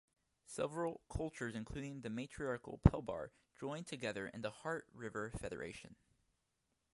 Several cultures, including the matriarchal Pelbar, join together in the Heart River Federation.